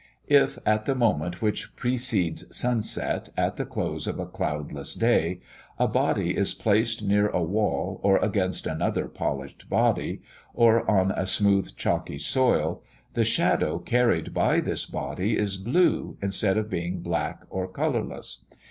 If, at the moment which precedes sunset, at the close of a cloudless day, a body is placed near a wall, or against another polished body, or on a smooth chalky soil, the shadow carried by this body is blue, instead of being black or colourless.